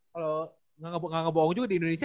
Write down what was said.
kalau nggak ngebohong juga di indonesia